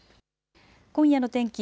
今夜の天気。